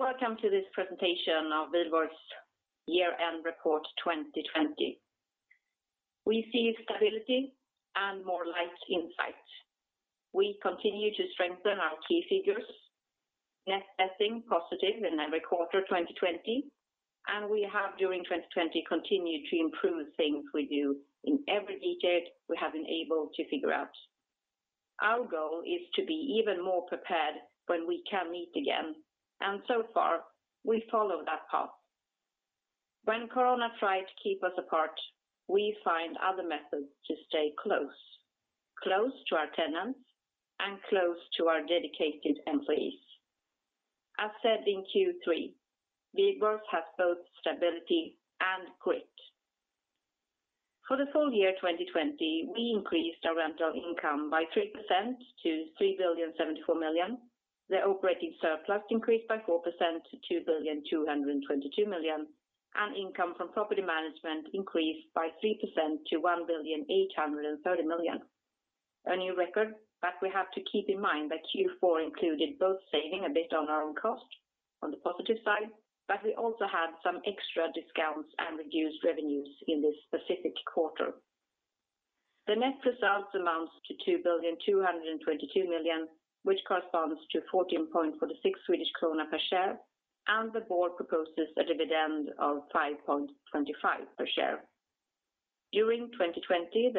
Welcome to this presentation of Wihlborgs -end report 2020. We see stability and more light in sight. We continue to strengthen our key figures. Net letting positive in every 2020, and we have, during 2020, continued to improve things we do in every detail we have been able to figure out. Our goal is to be even more prepared when we can meet again, and so far, we follow that path. When corona tried to keep us apart, we find other methods to stay close. Close to our tenants and close to our dedicated employees. As said in Q3, Wihlborgs has both stability and grit. For the full year 2020, we increased our rental income by 3% to 3 billion 74 million. The operating surplus increased by 4% to 2 billion 222 million, and income from property management increased by 3% to 1 billion 830 million. A new record. We have to keep in mind that Q4 included both saving a bit on our own cost on the positive side, but we also had some extra discounts and reduced revenues in this specific quarter. The net results amounts to 2.222 billion, which corresponds to 14.46 Swedish krona per share, and the board proposes a dividend of SEK 5.25 per share. During 2020,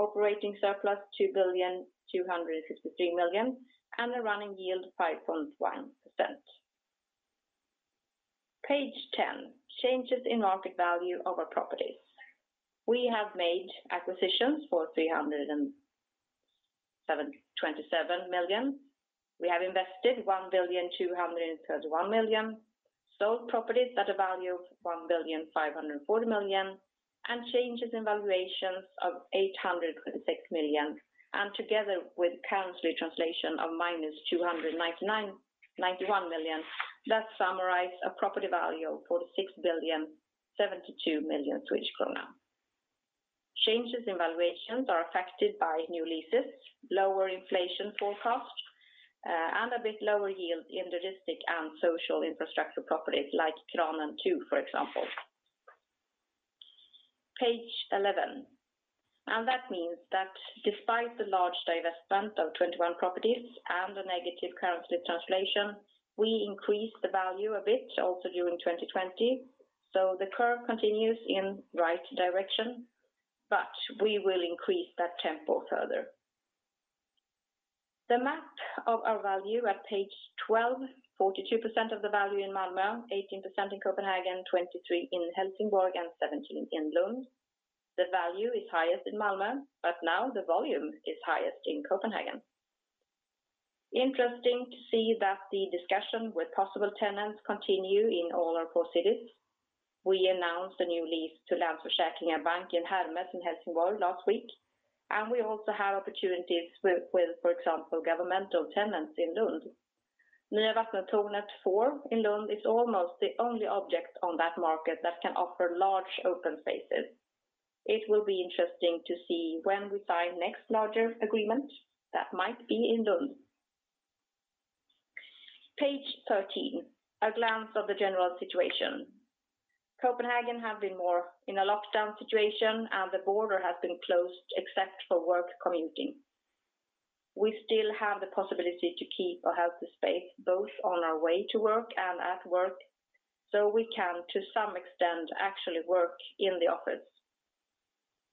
We have invested SEK 1.231 billion, sold properties at a value of 1.540 billion, and changes in valuations of 826 million. Together with currency translation of -291 million, that summarize a property value of 46.072 billion. Changes in valuations are affected by new leases, lower inflation forecast, and a bit lower yield in logistic and social infrastructure properties like Kranen 2, for example. Page 11. That means that despite the large divestment of 21 properties and the negative currency translation, we increased the value a bit also during 2020. The curve continues in right direction, but we will increase that tempo further. The map of our value at page 12, 42% of the value in Malmö, 18% in Copenhagen, 23% in Helsingborg, and 17% in Lund. The value is highest in Malmö, but now the volume is highest in Copenhagen. Interesting to see that the discussion with possible tenants continue in all our four cities. We announced a new lease to Länsförsäkringar Bank in Hermes in Helsingborg last week, and we also have opportunities with, for example, governmental tenants in Lund. Nya Vattentornet 4 in Lund is almost the only object on that market that can offer large open spaces. It will be interesting to see when we sign next larger agreement that might be in Lund. Page 13. A glance of the general situation. Copenhagen have been more in a lockdown situation and the border has been closed except for work commuting. We still have the possibility to keep a healthy space, both on our way to work and at work, so we can, to some extent, actually work in the office.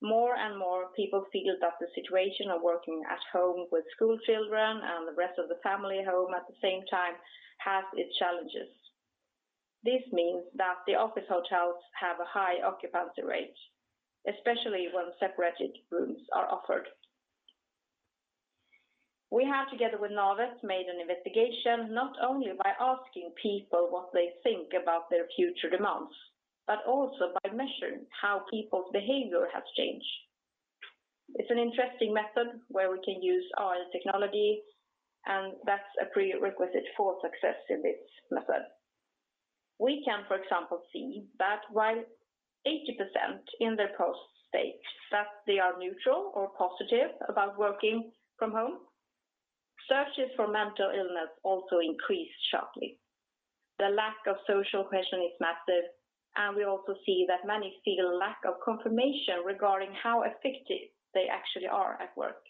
More and more people feel that the situation of working at home with school children and the rest of the family home at the same time has its challenges. This means that the office hotels have a high occupancy rate, especially when separated rooms are offered. We have, together with Novus, made an investigation, not only by asking people what they think about their future demands, but also by measuring how people's behavior has changed. It's an interesting method where we can use AI, and that's a prerequisite for success in this method. We can, for example, see that while 80% in their post state that they are neutral or positive about working from home, searches for mental illness also increased sharply. The lack of social connection is massive, and we also see that many feel a lack of confirmation regarding how effective they actually are at work.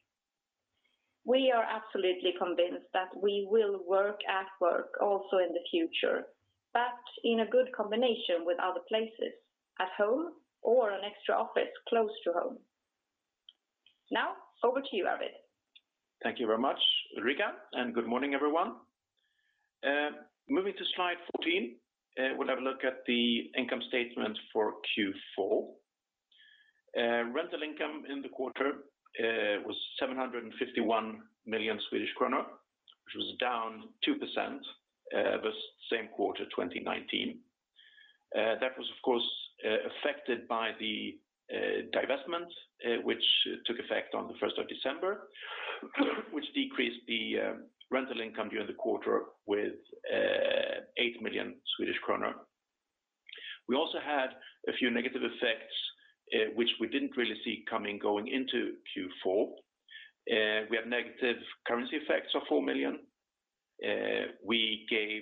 We are absolutely convinced that we will work at work also in the future, but in a good combination with other places, at home or an extra office close to home. Now, over to you, Arvid. Thank you very much, Ulrika, and good morning, everyone. Moving to slide 14, we'll have a look at the income statement for Q4. Rental income in the quarter was 751 million Swedish kronor, which was down 2% versus same quarter 2019. That was, of course, affected by the divestment which took effect on the 1st of December, which decreased the rental income during the quarter with 8 million Swedish kronor. We also had a few negative effects which we didn't really see coming going into Q4. We had negative currency effects of 4 million. We gave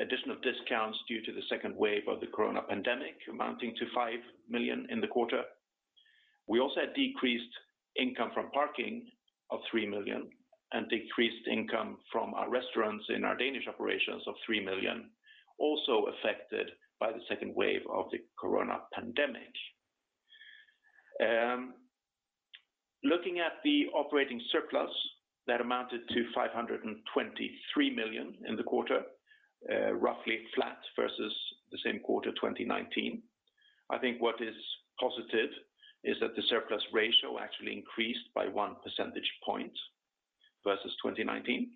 additional discounts due to the second wave of the COVID pandemic, amounting to 5 million in the quarter. We also had decreased income from parking of 3 million and decreased income from our restaurants in our Danish operations of 3 million, also affected by the second wave of the COVID pandemic. Looking at the operating surplus, that amounted to 523 million in the quarter, roughly flat versus the same quarter 2019. I think what is positive is that the surplus ratio actually increased by one percentage point versus 2019.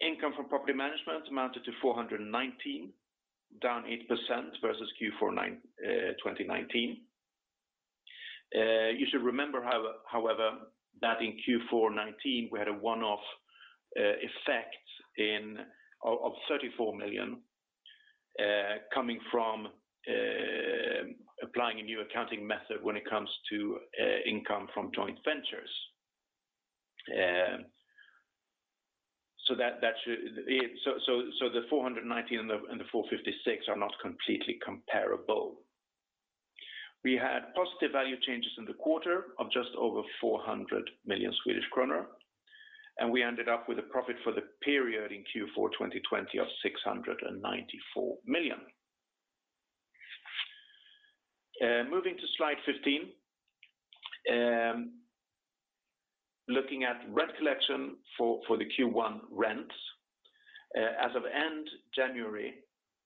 Income from property management amounted to 419, down 8% versus Q4 2019. You should remember, however, that in Q4 2019, we had a one-off effect of 34 million coming from applying a new accounting method when it comes to income from joint ventures. So the 419 and the 456 are not completely comparable. We had positive value changes in the quarter of just over 400 million Swedish kronor, and we ended up with a profit for the period in Q4 2020 of 694 million. Moving to slide 15. Looking at rent collection for the Q1 rents. As of end January,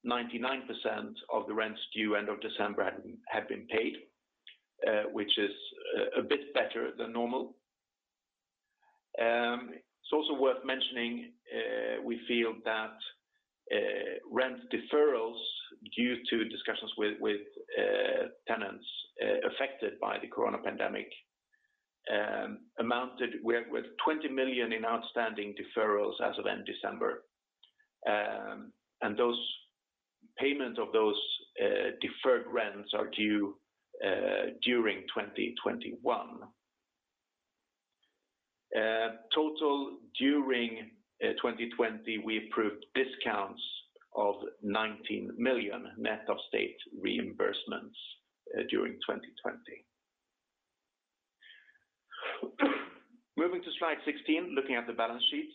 99% of the rents due end of December had been paid which is a bit better than normal. It's also worth mentioning, we feel that rent deferrals due to discussions with tenants affected by the corona pandemic amounted with 20 million in outstanding deferrals as of end December. Those payment of those deferred rents are due during 2021. Total during 2020, we approved discounts of 19 million net of state reimbursements during 2020. Moving to slide 16, looking at the balance sheet.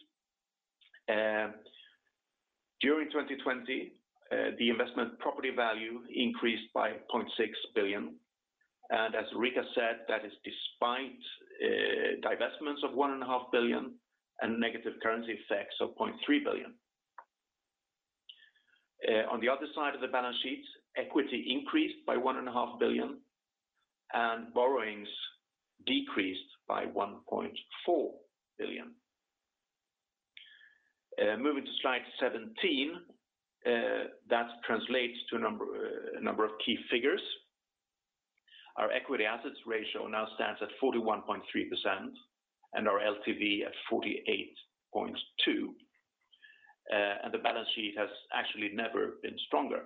During 2020, the investment property value increased by 0.6 billion. As Ulrika said, that is despite divestments of 1.5 billion and negative currency effects of 0.3 billion. On the other side of the balance sheet, equity increased by 1.5 billion and borrowings decreased by 1.4 billion. Moving to slide 17, that translates to a number of key figures. Our equity assets ratio now stands at 41.3% and our LTV at 48.2%. The balance sheet has actually never been stronger.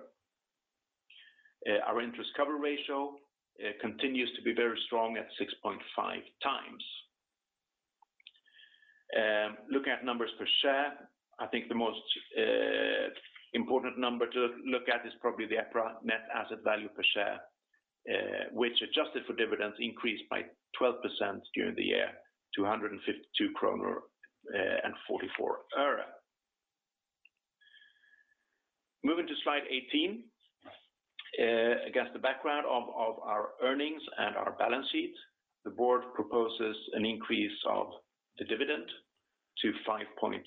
Our interest cover ratio continues to be very strong at 6.5 times. Looking at numbers per share, I think the most important number to look at is probably the EPRA net asset value per share which adjusted for dividends increased by 12% during the year to 152 kronor and 44 euro. Moving to slide 18. Against the background of our earnings and our balance sheet, the board proposes an increase of the dividend to 5.25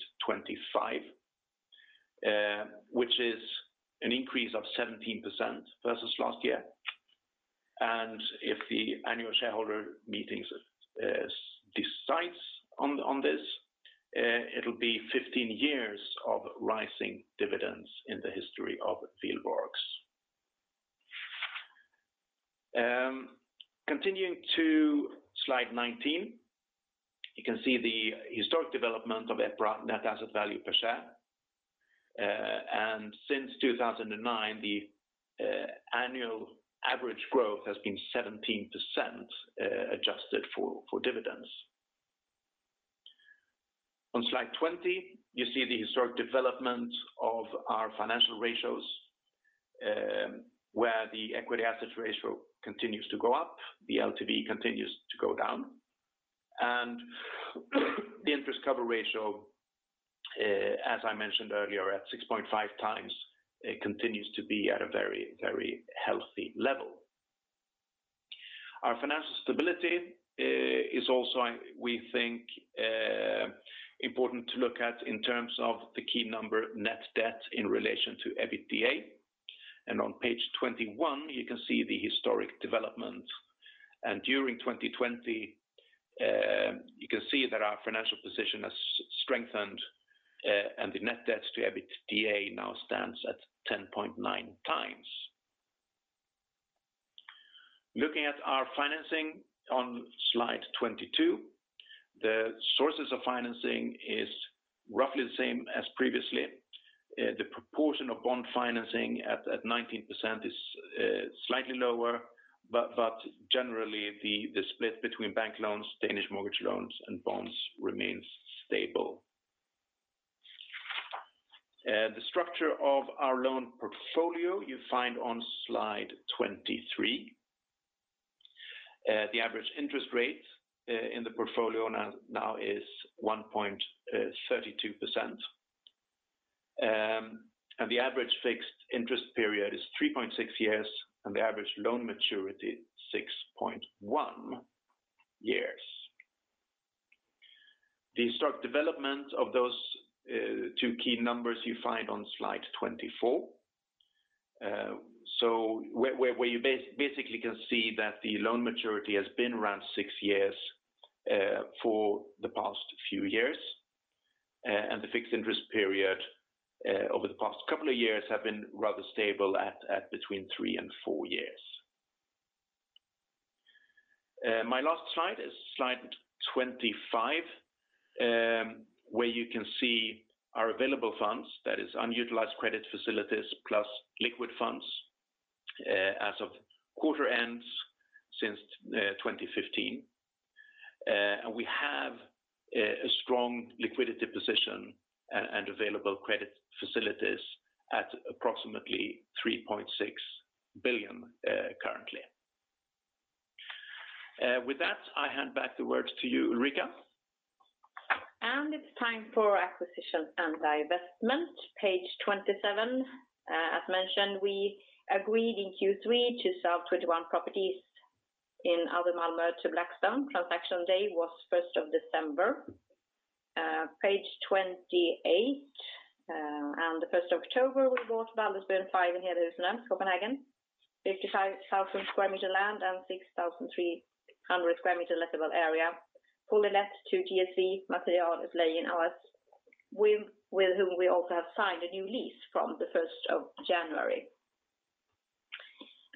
which is an increase of 17% versus last year. If the annual shareholder meetings decides on this, it'll be 15 years of rising dividends in the history of Wihlborgs. Continuing to slide 19, you can see the historic development of EPRA net asset value per share. Since 2009, the annual average growth has been 17% adjusted for dividends. On slide 20, you see the historic development of our financial ratios, where the equity assets ratio continues to go up, the LTV continues to go down. The interest cover ratio, as I mentioned earlier at 6.5 times, continues to be at a very healthy level. Our financial stability is also, we think important to look at in terms of the key number net debt in relation to EBITDA. On page 21, you can see the historic development. During 2020, you can see that our financial position has strengthened, and the net debts to EBITDA now stands at 10.9 times. Looking at our financing on slide 22, the sources of financing is roughly the same as previously. The proportion of bond financing at 19% is slightly lower, generally the split between bank loans, Danish mortgage loans, and bonds remains stable. The structure of our loan portfolio you find on slide 23. The average interest rate in the portfolio now is 1.32%. The average fixed interest period is three point six years and the average loan maturity six point one years. The historic development of those two key numbers you find on slide 24 where you basically can see that the loan maturity has been around six years for the past few years. The fixed interest period over the past couple of years have been rather stable at between three and four years. My last slide is slide 25 where you can see our available funds, that is unutilized credit facilities plus liquid funds as of quarter ends since 2015. We have a strong liquidity position and available credit facilities at approximately SEK 3.6 billion currently. With that, I hand back the words to you, Ulrika. It's time for acquisition and divestment, page 27. As mentioned, we agreed in Q3 to sell 21 properties in outer Malmö to Blackstone, transaction day was 1st of December. Page 28. The 1st of October, we bought Baldersbuen 5 in Hedehusene, Copenhagen. 55,000 sq m land and 6,300 sq m lettable area. Fully let to Gaia Biomaterials, with whom we also have signed a new lease from the 1st of January.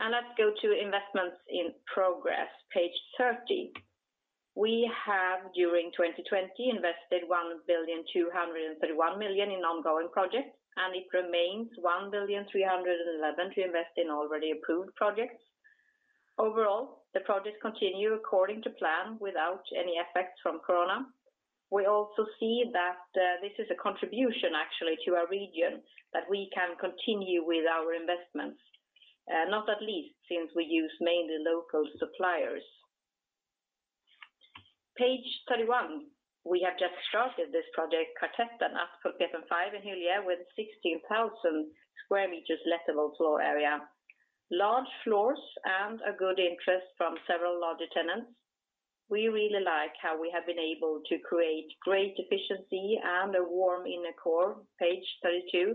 Let's go to investments in progress, page 30. We have during 2020 invested 1.231 billion in ongoing projects, and it remains 1.311 billion to invest in already approved projects. Overall, the projects continue according to plan without any effects from corona. We also see that this is a contribution actually to our region that we can continue with our investments. Not at least since we use mainly local suppliers. Page 31. We have just started this project Kvartetten at Pulpeten 5 in Hyllie with 16,000 square meters lettable floor area. Large floors and a good interest from several larger tenants. We really like how we have been able to create great efficiency and a warm inner core. Page 32.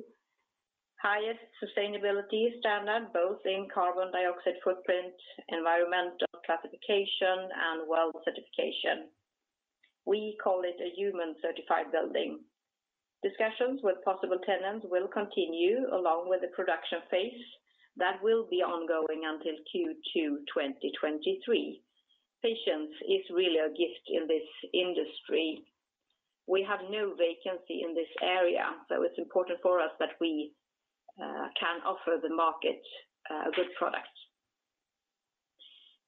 Highest sustainability standard, both in carbon dioxide footprint, environmental classification, and WELL certification. We call it a human-certified building. Discussions with possible tenants will continue along with the production phase. That will be ongoing until Q2 2023. Patience is really a gift in this industry. We have no vacancy in this area, so it's important for us that we can offer the market a good product.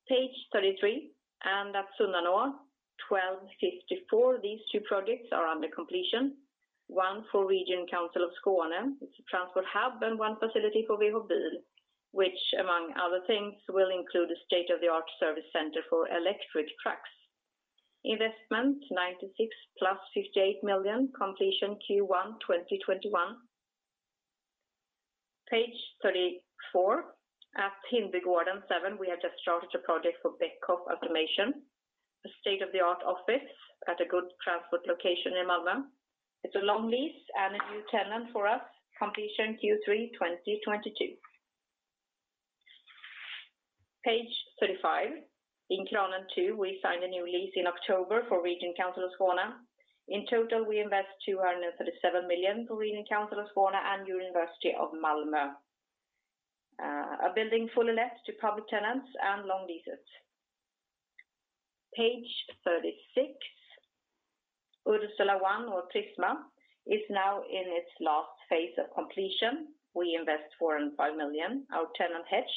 Page 33. At Sunnanå 12:54, these two projects are under completion. One for Region Skåne. It's a transport hub and one facility for Hedin Bil, which among other things, will include a state-of-the-art service center for electric trucks. Investment 96 million plus 58 million. Completion Q1 2021. Page 34. At Hindbygården 7, we have just started a project for, a state-of-the-art office at a good transport location in Malmö. It's a long lease and a new tenant for us. Completion Q3 2022. Page 35. In Kranen 2, we signed a new lease in October for Region Skåne. In total, we invest 237 million for Region Skåne and Malmö University. A building fully let to public tenants and long leases. Page 36. Ursula 1 or Prisma is now in its last phase of completion. We invest 405 million. Our tenant, Hetch,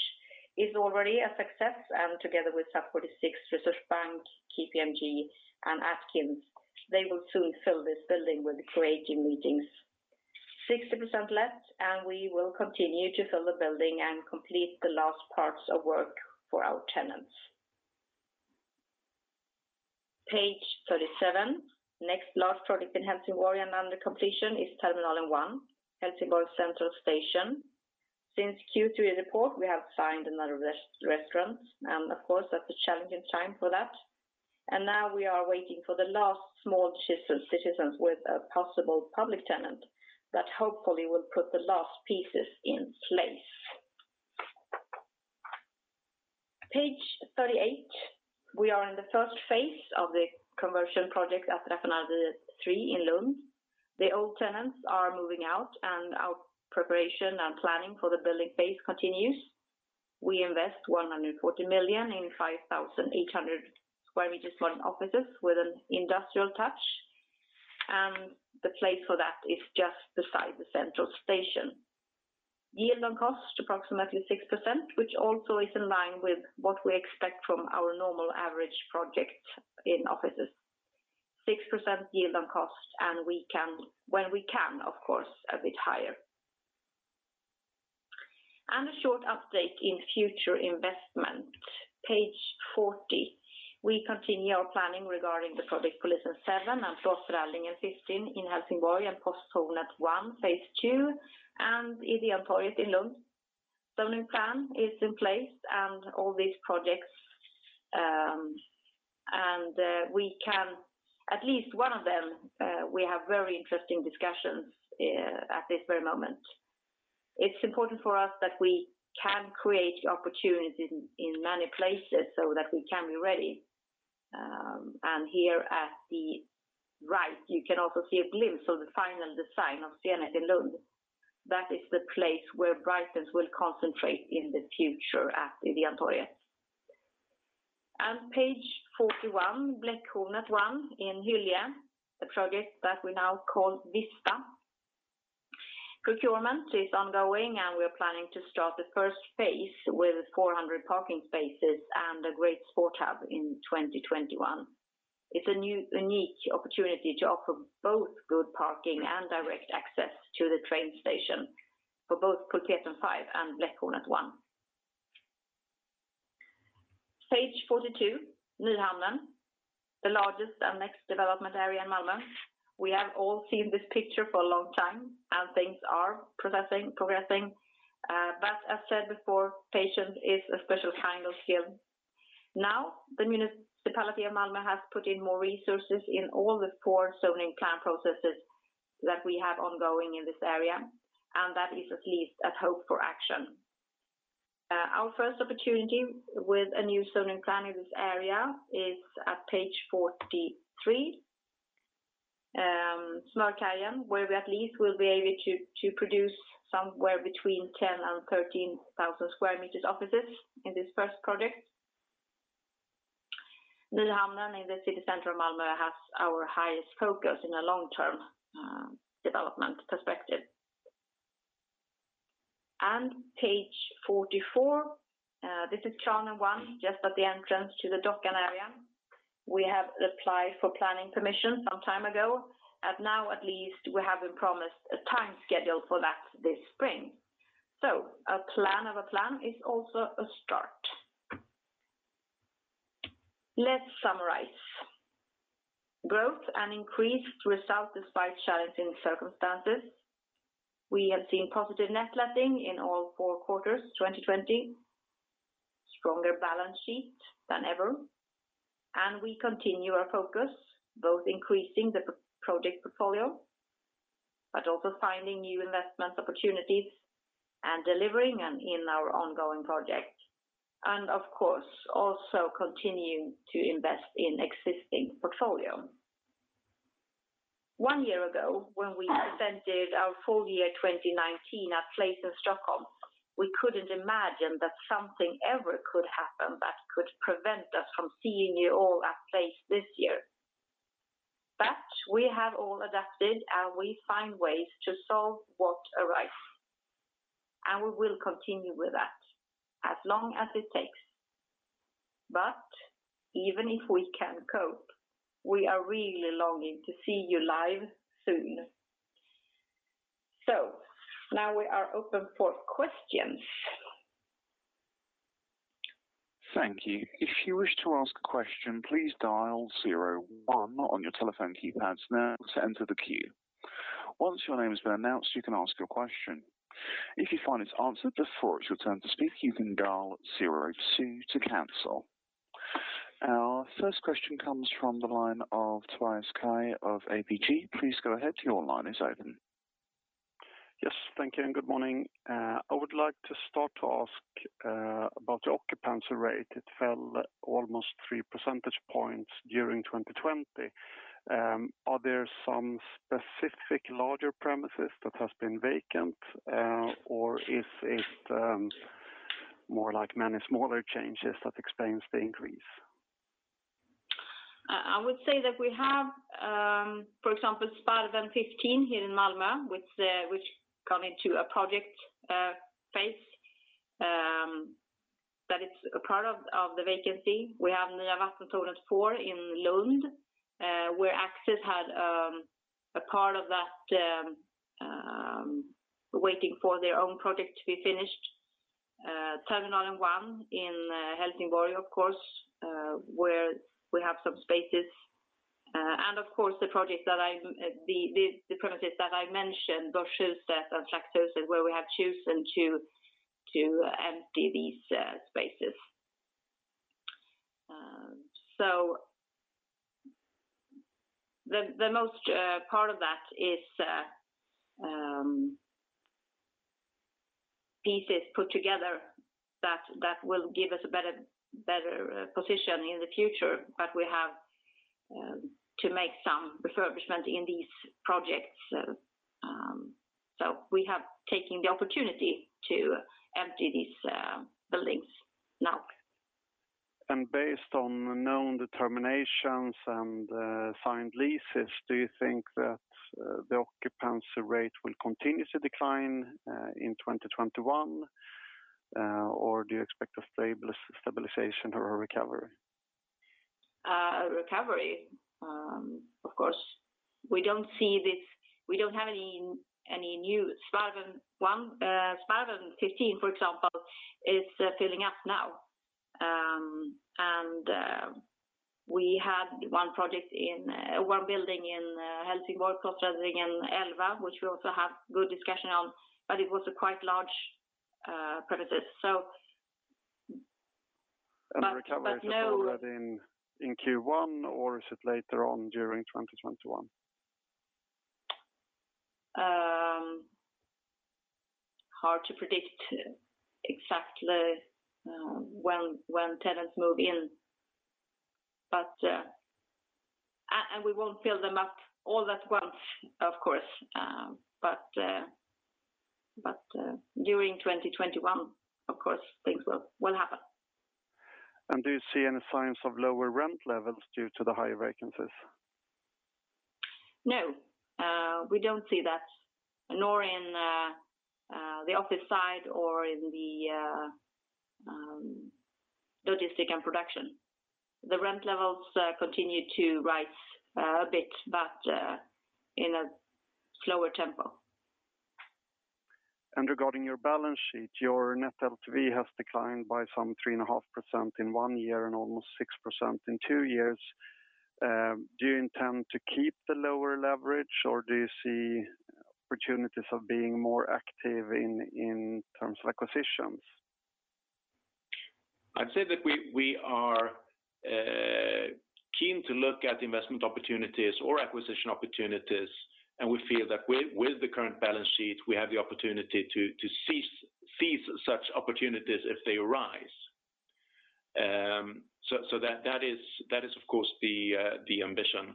is already a success, and together with SUP46, KPMG, and Atkins, they will soon fill this building with creative meetings. 60% let. We will continue to fill the building and complete the last parts of work for our tenants. Page 37. Next last project in Helsingborg and under completion is Terminalen 1, Helsingborg Central Station. Since Q3 report, we have signed another restaurant, and of course, that's a challenging time for that. Now we are waiting for the last small citizens with a possible public tenant that hopefully will put the last pieces in place. Page 38. We are in the first phase of the commercial project at Raffinaderiet 3 in Lund. The old tenants are moving out, and our preparation and planning for the building phase continues. We invest 140 million in 5,800 sq m modern offices with an industrial touch. The place for that is just beside the central station. Yield on cost approximately 6%, which also is in line with what we expect from our normal average project in offices. 6% yield on cost, when we can, of course, a bit higher. A short update in future investment. Page 40. We continue our planning regarding the project Polisen 7 and Flossralingen 15 in Helsingborg and Posthornet 1, phase 2, and Ideontorget in Lund. Zoning plan is in place and all these projects, at least one of them, we have very interesting discussions at this very moment. It's important for us that we can create opportunities in many places so that we can be ready. Here at the right, you can also see a glimpse of the final design of Zenit in Lund. That is the place where Bläckhornet will concentrate in the future at Ideontorget. Page 41, Bläckhornet 1 in Hyllie, the project that we now call Vista. Procurement is ongoing. We are planning to start the phase 1 with 400 parking spaces and a great sport hub in 2021. It is a unique opportunity to offer both good parking and direct access to the train station for both Kvartetten 5 and Bläckhornet 1. Page 42, Nyhamnen. The largest and next development area in Malmö. We have all seen this picture for a long time. Things are progressing. As said before, patience is a special kind of skill. The municipality of Malmö has put in more resources in all the four zoning plan processes that we have ongoing in this area. That is at least a hope for action. Our first opportunity with a new zoning plan in this area is at page 43. Smörkajen, where we at least will be able to produce somewhere between 10,000 and 13,000 sq m offices in this first project. Nyhamnen in the city center of Malmö has our highest focus in a long-term development perspective. Page 44. This is Kranen 1, just at the entrance to the Dockan area. We have applied for planning permission some time ago, and now at least we have been promised a time schedule for that this spring. A plan of a plan is also a start. Let's summarize. Growth and increased results despite challenging circumstances. We have seen positive net letting in all four quarters 2020. Stronger balance sheet than ever. We continue our focus, both increasing the project portfolio, but also finding new investment opportunities and delivering in our ongoing projects. Of course, also continuing to invest in existing portfolio. One year ago, when we presented our full year 2019 at Place in Stockholm, we couldn't imagine that something ever could happen that could prevent us from seeing you all at Place this year. We have all adapted, and we find ways to solve what arrives. We will continue with that as long as it takes. Even if we can cope, we are really longing to see you live soon. Now we are open for questions. Thank you. Our first question comes from the line of Tobias Kaj of ABG. Please go ahead, your line is open. Yes, thank you, and good morning. I would like to start to ask about the occupancy rate. It fell almost three percentage points during 2020. Are there some specific larger premises that have been vacant? Is it more like many smaller changes that explains the increase? I would say that we have, for example, Sparven 15 here in Malmö, which got into a project phase, that it is a part of the vacancy. We have Nya Vattentornet 4 in Lund, where Axis had a part of that, waiting for their own project to be finished. Terminalen 1 in Helsingborg, of course, where we have some spaces. Of course, the premises that I mentioned, Börshuset and Traktören, where we have chosen to empty these spaces. The most part of that is pieces put together that will give us a better position in the future, but we have to make some refurbishment in these projects. We have taken the opportunity to empty these buildings now. Based on the known terminations and signed leases, do you think that the occupancy rate will continue to decline in 2021? Or do you expect a stabilization or a recovery? A recovery. Of course, we don't have any new. Sparven 15, for example, is filling up now. We had one building in Helsingborg, Klockaredningen, which we also have good discussion on, but it was a quite large premises. The recovery is already in Q1, or is it later on during 2021? Hard to predict exactly when tenants move in. We won't fill them up all at once, of course. During 2021, of course, things will happen. Do you see any signs of lower rent levels due to the high vacancies? No, we don't see that, nor in the office side or in the logistic and production. The rent levels continue to rise a bit, but in a slower tempo. Regarding your balance sheet, your net LTV has declined by some 3.5% in one year and almost 6% in two years. Do you intend to keep the lower leverage, or do you see opportunities of being more active in terms of acquisitions? I'd say that we are keen to look at investment opportunities or acquisition opportunities, and we feel that with the current balance sheet, we have the opportunity to seize such opportunities if they arise. That is the ambition.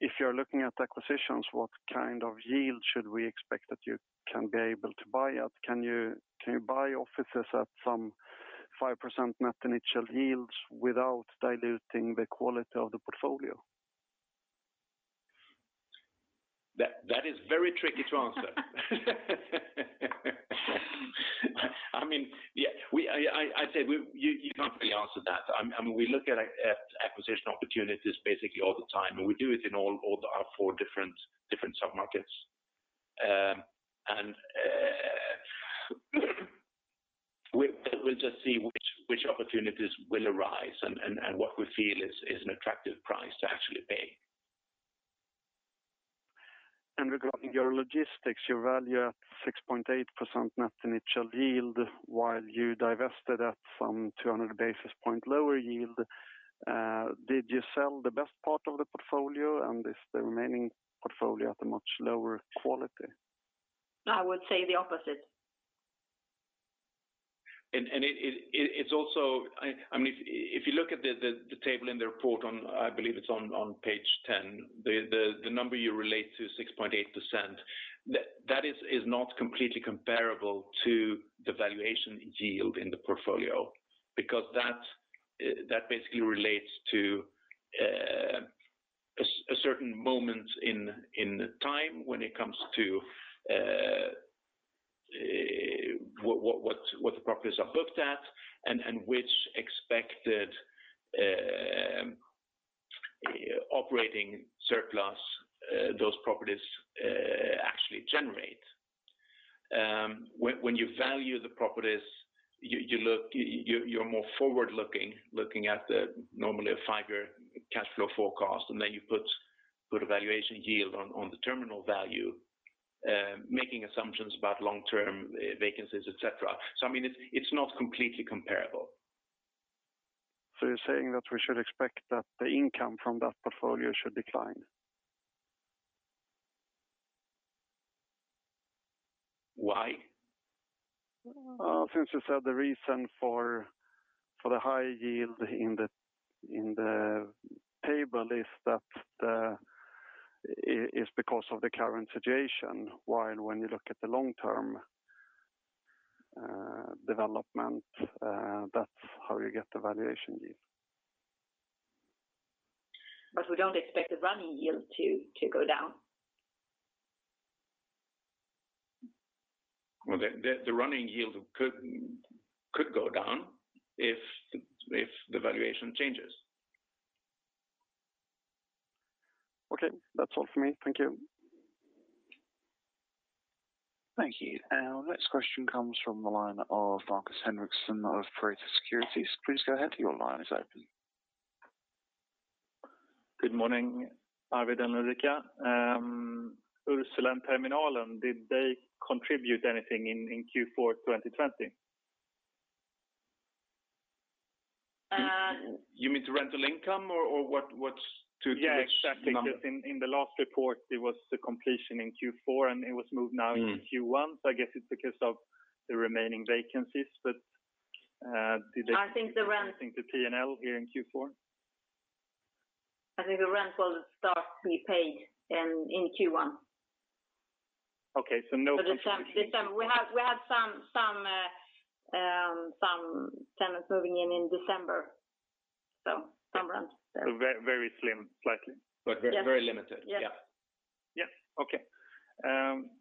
If you're looking at acquisitions, what kind of yield should we expect that you can be able to buy at? Can you buy offices at some 5% net initial yields without diluting the quality of the portfolio? That is very tricky to answer. I'd say you can't pre-answer that. We look at acquisition opportunities basically all the time, and we do it in all our four different sub-markets. We'll just see which opportunities will arise and what we feel is an attractive price to actually pay. Regarding your logistics, you value at 6.8% net initial yield while you divested at some 200 basis point lower yield. Did you sell the best part of the portfolio, and is the remaining portfolio at a much lower quality? I would say the opposite. If you look at the table in the report on, I believe it's on page 10, the number you relate to, 6.8%, that is not completely comparable to the valuation yield in the portfolio because that basically relates to a certain moment in time when it comes to what the properties are booked at and which expected operating surplus those properties actually generate. When you value the properties, you're more forward-looking, looking at normally a five-year cash flow forecast, and then you put a valuation yield on the terminal value, making assumptions about long-term vacancies, et cetera. It's not completely comparable. You're saying that we should expect that the income from that portfolio should decline? Why? Since you said the reason for the high yield in the table is because of the current situation, while when you look at the long-term development, that's how you get the valuation yield. We don't expect the running yield to go down. Well, the running yield could go down if the valuation changes. Okay. That's all for me. Thank you. Thank you. Our next question comes from the line of Markus Henriksson of Pareto Securities. Good morning, Arvid and Ulrika. Ursula Terminalen, did they contribute anything in Q4 2020? You mean to rental income or what? Yeah, exactly. In the last report, it was the completion in Q4, and it was moved now into Q1. I guess it's because of the remaining vacancies. I think the rent- Did they contribute anything to P&L here in Q4? I think the rent will start to be paid in Q1. Okay, no contribution. We had some tenants moving in in December. Some rent there. Very slim. Slightly. Very limited. Yes. Yes. Okay.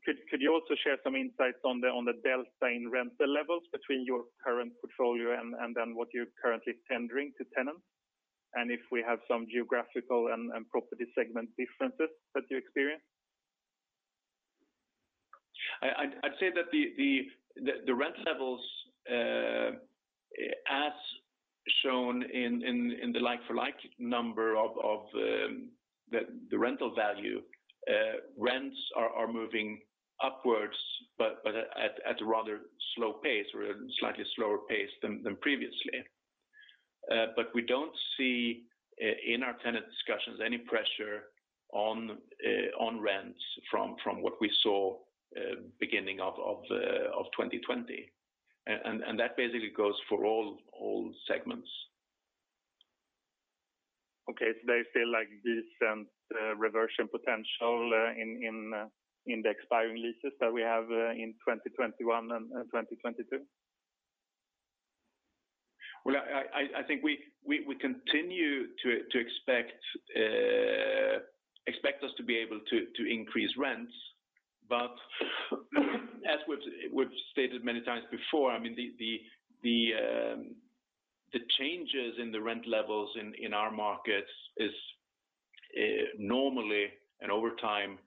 Could you also share some insights on the delta in rental levels between your current portfolio and then what you're currently tendering to tenants? If we have some geographical and property segment differences that you experience? I'd say that the rent levels as shown in the like-for-like number of the rental value, rents are moving upwards, but at a rather slow pace or a slightly slower pace than previously. We don't see in our tenant discussions any pressure on rents from what we saw beginning of 2020. That basically goes for all segments. Okay. There is still decent reversion potential in the expiring leases that we have in 2021 and 2022? Well, I think we continue to expect us to be able to increase rents. We've stated many times before, the changes in the rent levels in our markets is normally and over time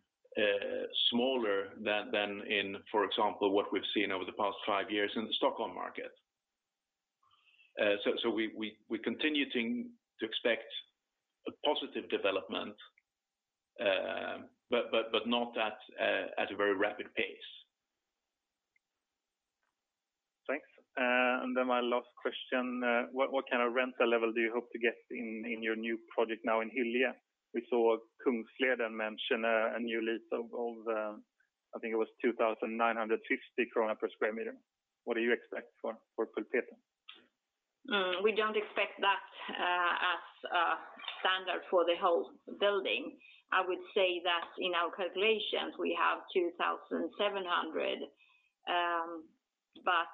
smaller than in, for example, what we've seen over the past five years in the Stockholm market. We continue to expect a positive development, but not at a very rapid pace. Thanks. My last question. What kind of rental level do you hope to get in your new project now in Hyllie? We saw Kungsleden mention a new lease of, I think it was 2,950 per sq m. What do you expect for Pulpeten? We don't expect that as a standard for the whole building. I would say that in our calculations, we have 2,700.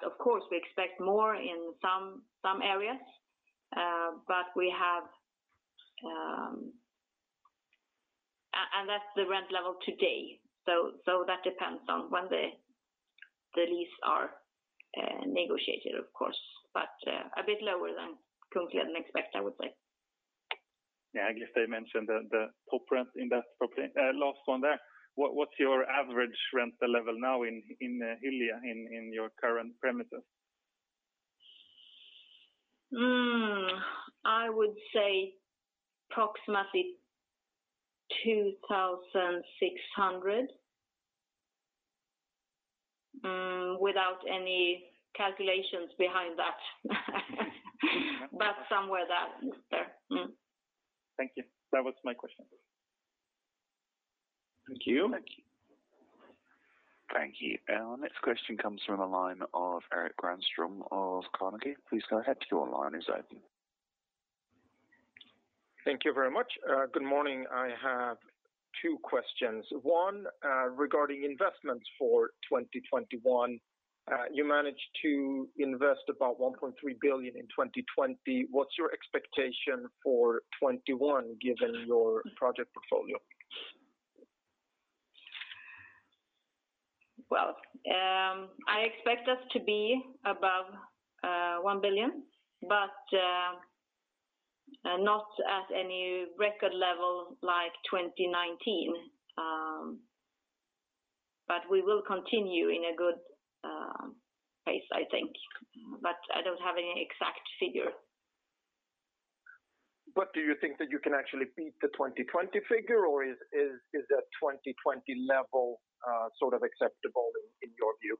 Of course, we expect more in some areas. That's the rent level today. That depends on when the lease are negotiated, of course, but a bit lower than Kungsleden expect, I would say. Yeah, I guess they mentioned the top rent in that property. Last one there. What's your average rental level now in Hyllie in your current premises? I would say approximately 2,600, without any calculations behind that. Somewhere there. Thank you. That was my questions. Thank you. Thank you. Thank you. Our next question comes from the line of Erik Granström of Carnegie. Please go ahead, your line is open. Thank you very much. Good morning. I have two questions. One regarding investments for 2021. You managed to invest about 1.3 billion in 2020. What's your expectation for 2021 given your project portfolio? Well, I expect us to be above 1 billion, but not at any record level like 2019. We will continue in a good pace, I think. I don't have any exact figure. Do you think that you can actually beat the 2020 figure, or is that 2020 level sort of acceptable in your view?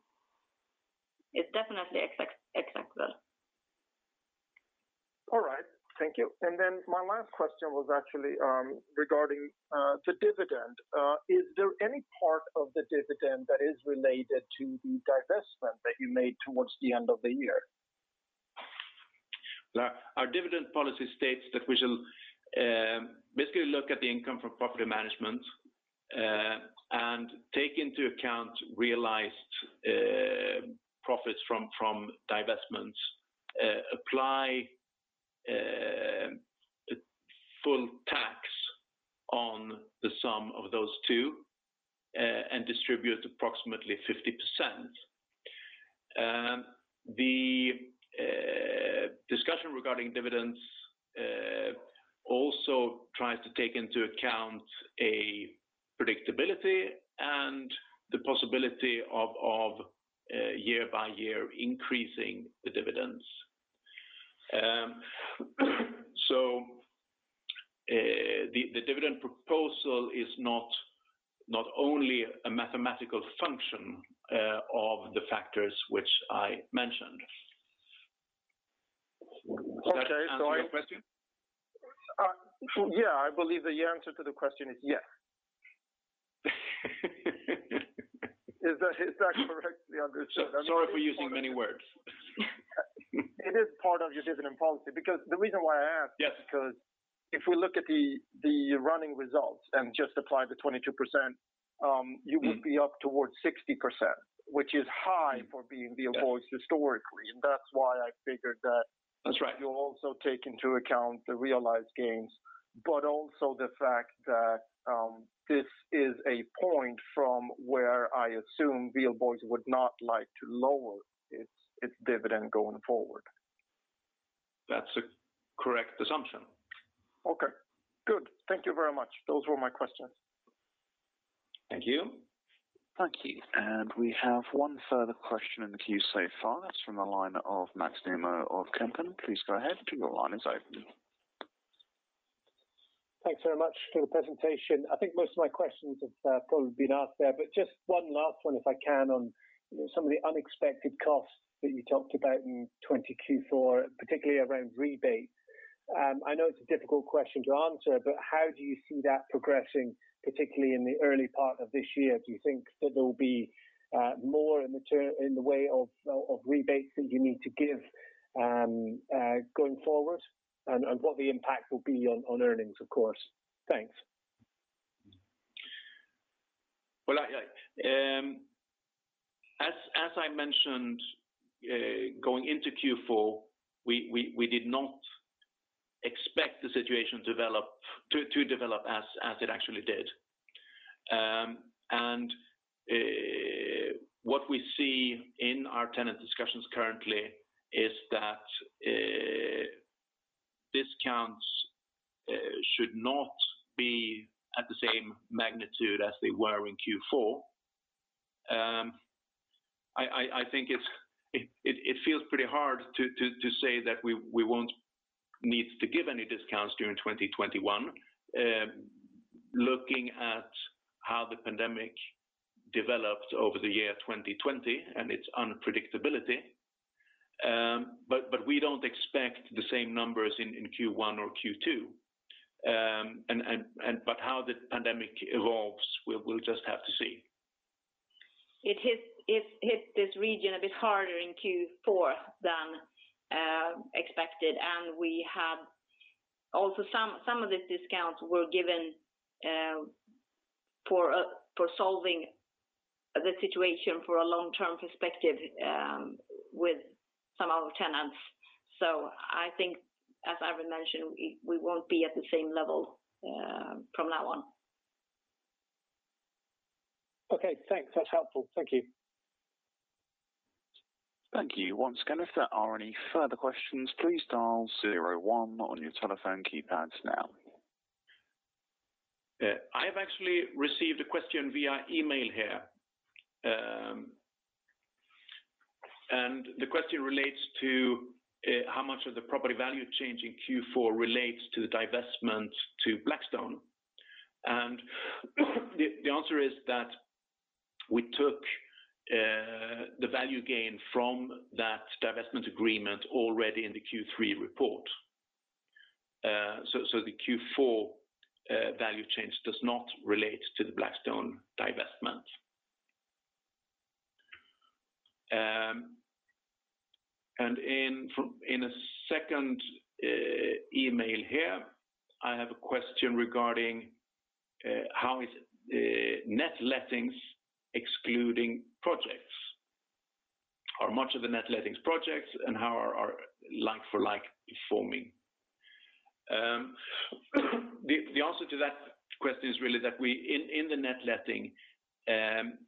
It's definitely acceptable. All right. Thank you. Then my last question was actually regarding the dividend. Is there any part of the dividend that is related to the divestment that you made towards the end of the year? Our dividend policy states that we shall basically look at the income from property management and take into account realized profits from divestments, apply full tax on the sum of those two, and distribute approximately 50%. The discussion regarding dividends also tries to take into account a predictability and the possibility of year-by-year increasing the dividends. The dividend proposal is not only a mathematical function of the factors which I mentioned. Okay. Does that answer your question? Yeah, I believe the answer to the question is yes. Is that correctly understood? Sorry for using many words. It is part of your dividend policy because the reason why I asked- Yes Is because if we look at the running results and just apply the 22%. You would be up towards 60%, which is high for Wihlborgs historically. That's why I figured. That's right. You also take into account the realized gains, but also the fact that this is a point from where I assume Wihlborgs would not like to lower its dividend going forward. That's a correct assumption. Okay, good. Thank you very much. Those were my questions. Thank you. Thank you. We have one further question in the queue so far. That's from the line of Max Nemo of Kempen. Please go ahead, your line is open. Thanks very much for the presentation. I think most of my questions have probably been asked there, but just one last one if I can, on some of the unexpected costs that you talked about in Q4 2020, particularly around rebates. I know it's a difficult question to answer, but how do you see that progressing, particularly in the early part of this year? Do you think that there will be more in the way of rebates that you need to give going forward, and what the impact will be on earnings, of course? Thanks. Well, as I mentioned, going into Q4, we did not expect the situation to develop as it actually did. What we see in our tenant discussions currently is that discounts should not be at the same magnitude as they were in Q4. I think it feels pretty hard to say that we won't need to give any discounts during 2021, looking at how the pandemic developed over the year 2020 and its unpredictability. We don't expect the same numbers in Q1 or Q2. How the pandemic evolves, we'll just have to see. It hit this region a bit harder in Q4 than expected, and also some of the discounts were given for solving the situation for a long-term perspective with some of our tenants. I think, as Arvid mentioned, we won't be at the same level from now on. Okay, thanks. That's helpful. Thank you. Thank you. Once again, if there are any further questions, please dial 01 on your telephone keypads now. I've actually received a question via email here. The question relates to how much of the property value change in Q4 relates to the divestment to Blackstone. The answer is that we took the value gain from that divestment agreement already in the Q3 report. The Q4 value change does not relate to the Blackstone divestment. In a second email here, I have a question regarding how is net lettings excluding projects. Are much of the net lettings projects, and how are like-for-like forming? The answer to that question is really that in the net letting,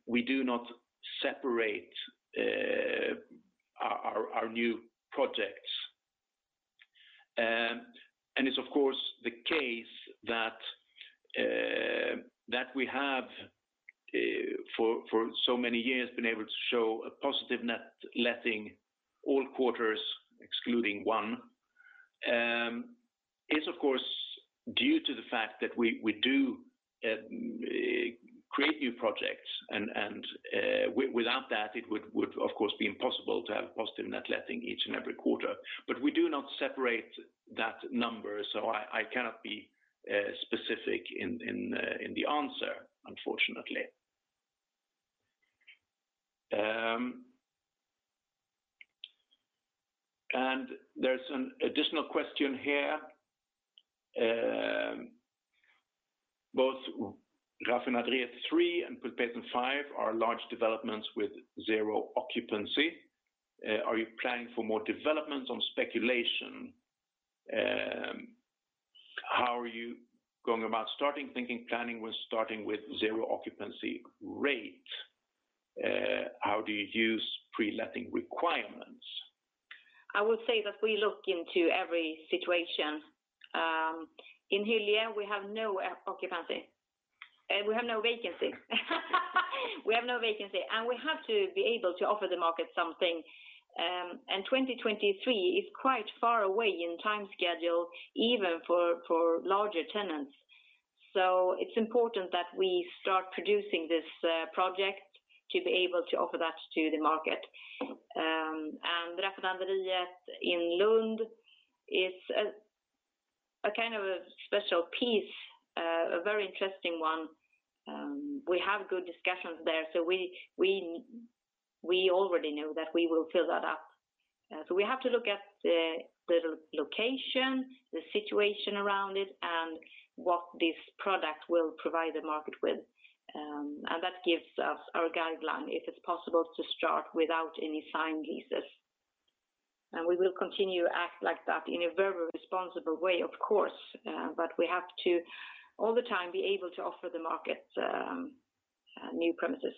we do not separate our new projects. It's of course the case that we have, for so many years, been able to show a positive net letting all quarters excluding one. It's of course due to the fact that we do create new projects and without that, it would of course be impossible to have positive net letting each and every quarter. We do not separate that number, so I cannot be specific in the answer, unfortunately. There's an additional question here. Both Raffinaderiet 3 and Pulpeten 5 are large developments with zero occupancy. Are you planning for more developments on speculation? How are you going about starting thinking, planning when starting with zero occupancy rate? How do you use pre-letting requirements? I would say that we look into every situation. In Hyllie, we have no vacancy. We have to be able to offer the market something. 2023 is quite far away in time schedule, even for larger tenants. It's important that we start producing this project to be able to offer that to the market. Raffinaderiet in Lund is a kind of a special piece, a very interesting one. We have good discussions there. We already know that we will fill that up. We have to look at the location, the situation around it, and what this product will provide the market with. That gives us our guideline if it's possible to start without any signed leases. We will continue to act like that in a very responsible way, of course, but we have to all the time be able to offer the market new premises.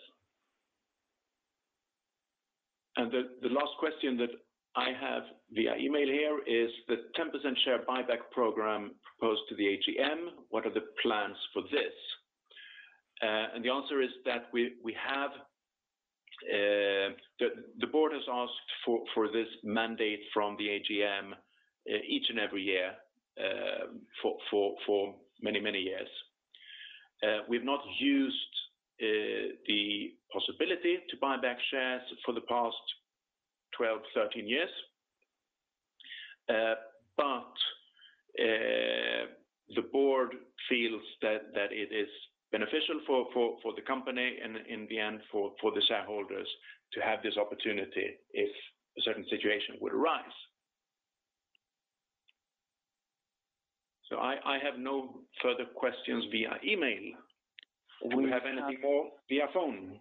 The last question that I have via email here is the 10% share buyback program proposed to the AGM. What are the plans for this? The answer is that the board has asked for this mandate from the AGM each and every year for many, many years. We've not used the possibility to buy back shares for the past 12, 13 years. The board feels that it is beneficial for the company and in the end for the shareholders to have this opportunity if a certain situation would arise. I have no further questions via email. Do we have anything more via phone?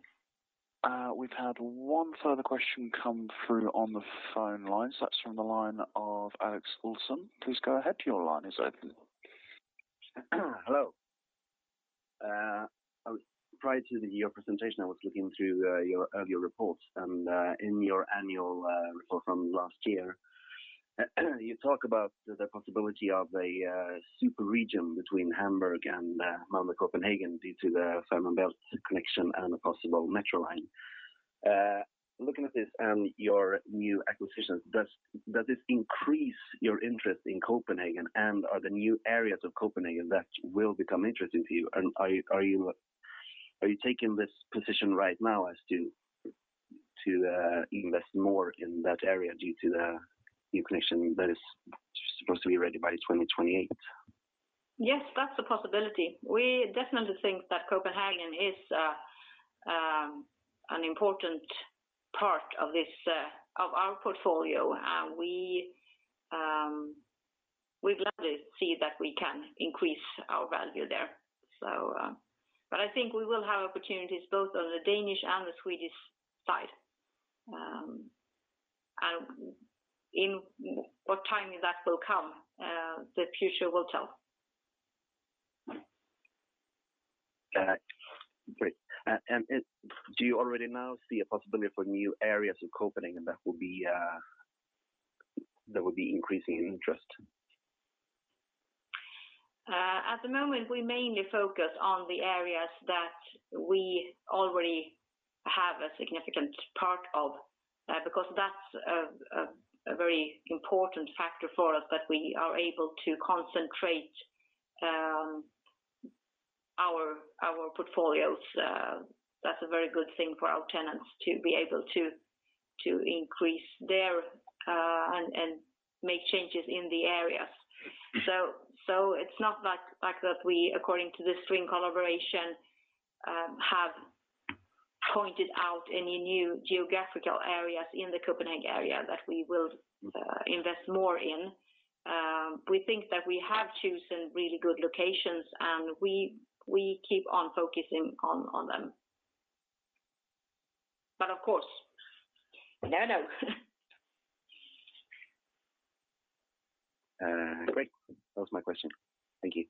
We've had one further question come through on the phone lines. That's from the line of Alex Olson. Please go ahead. Your line is open. Hello. Prior to your presentation, I was looking through your earlier reports, and in your annual report from last year, you talk about the possibility of a super region between Hamburg and Malmö Copenhagen due to the Fehmarnbelt connection and a possible metro line. Looking at this and your new acquisitions, does this increase your interest in Copenhagen, and are there new areas of Copenhagen that will become interesting to you? Are you taking this position right now as to invest more in that area due to the new connection that is supposed to be ready by 2028? Yes, that's a possibility. We definitely think that Copenhagen is an important part of our portfolio. We'd love to see that we can increase our value there. I think we will have opportunities both on the Danish and the Swedish side. In what timing that will come, the future will tell. Great. Do you already now see a possibility for new areas of Copenhagen that would be increasing in interest? At the moment, we mainly focus on the areas that we already have a significant part of, because that's a very important factor for us, that we are able to concentrate our portfolios. That's a very good thing for our tenants to be able to increase their, and make changes in the areas. It's not like that we, according to the STRING collaboration, have pointed out any new geographical areas in the Copenhagen area that we will invest more in. We think that we have chosen really good locations, and we keep on focusing on them. Of course, you never know. Great. That was my question. Thank you.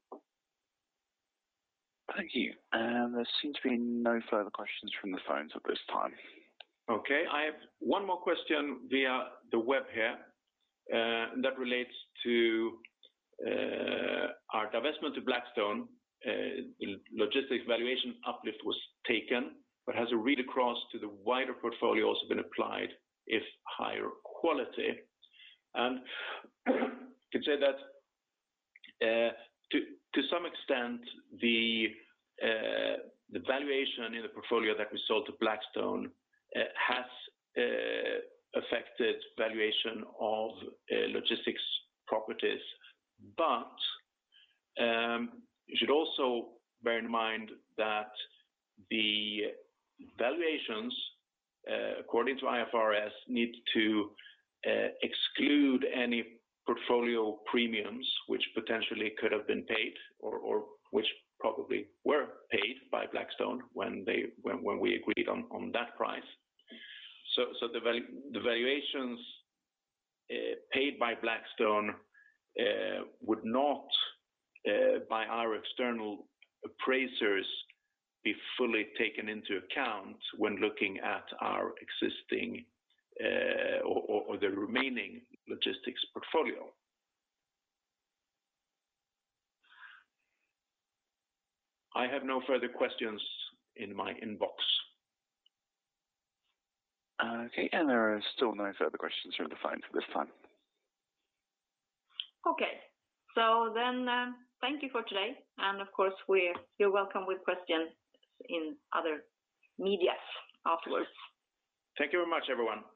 Thank you. There seem to be no further questions from the phones at this time. Okay. I have one more question via the web here that relates to our divestment to Blackstone. Logistics valuation uplift was taken, but has a read across to the wider portfolio also been applied if higher quality? Can say that to some extent the valuation in the portfolio that we sold to Blackstone has affected valuation of logistics properties. You should also bear in mind that the valuations, according to IFRS, need to exclude any portfolio premiums which potentially could have been paid or which probably were paid by Blackstone when we agreed on that price. The valuations paid by Blackstone would not, by our external appraisers, be fully taken into account when looking at our existing or the remaining logistics portfolio. I have no further questions in my inbox. Okay, there are still no further questions from the phone at this time. Okay. Thank you for today. Of course, you're welcome with questions in other medias afterwards. Thank you very much, everyone. Thank you.